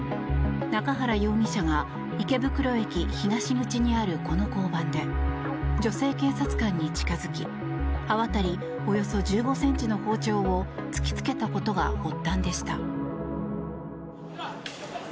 中原容疑者が池袋駅東口にある、この交番で女性警察官に近付き刃渡りおよそ１５ｃｍの包丁を突きつけたことが発端でした。